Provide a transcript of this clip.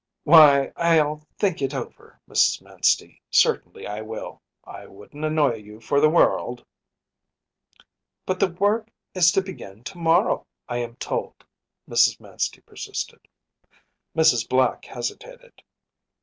‚ÄĚ “Why, I’ll think it over, Mrs. Manstey, certainly I will. I wouldn’t annoy you for the world ‚ÄĚ “But the work is to begin to morrow, I am told,‚ÄĚ Mrs. Manstey persisted. Mrs. Black hesitated.